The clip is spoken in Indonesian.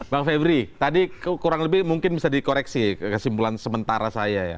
bang febri tadi kurang lebih mungkin bisa dikoreksi kesimpulan sementara saya ya